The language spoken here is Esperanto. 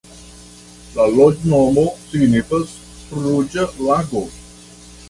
La loknomo signifas: ruĝa lago.